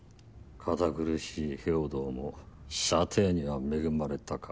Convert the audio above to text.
堅苦しい豹堂も舎弟には恵まれたか。